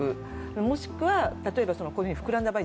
もしくは、例えば膨らんだ場合